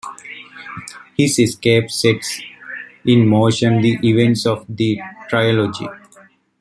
His escape sets in motion the events of the trilogy.